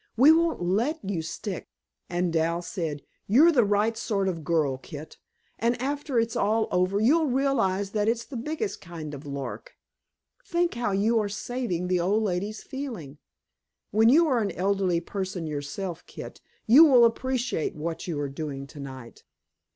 "We won't let you stick!" And Dal said, "You're the right sort of girl, Kit. And after it's all over, you'll realize that it's the biggest kind of lark. Think how you are saving the old lady's feeling! When you are an elderly person yourself, Kit, you will appreciate what you are doing tonight."